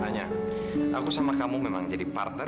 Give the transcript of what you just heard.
nanya aku sama kamu memang jadi partner